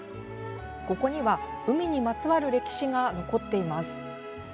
ここには、海にまつわる歴史が残っています。